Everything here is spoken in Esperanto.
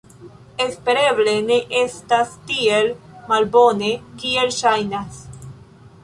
Espereble ne estas tiel malbone, kiel ŝajnas.